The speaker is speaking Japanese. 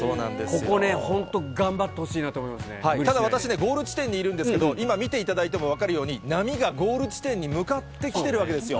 ここね、本当、ただ私ね、ゴール地点にいるんですけど、今、見ていただいても分かるように、波がゴール地点に向かって来てるわけですよ。